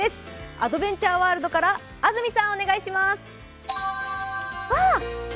アドベンチャーワールドから安住さんお願いします。